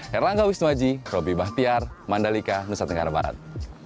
herlangga wisnuaji robby bahtiar mandalika nusa tenggara barat